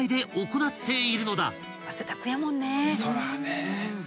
そらね。